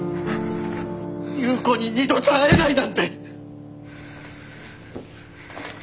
夕子に二度と会えないなんて。